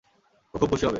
ও খুব খুশি হবে।